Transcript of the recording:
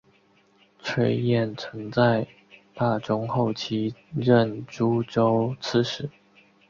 崔彦曾在大中后期任诸州刺史。